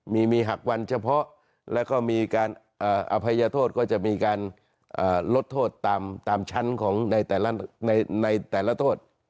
มีหักวันเฉพาะแล้วก็มีการอภัยโทษก็จะมีการลดโทษตามชั้นของในแต่ละโทษ